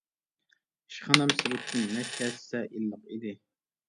ئىشخانام سىرتتىن نەچچە ھەسسە ئىللىق ئىدى.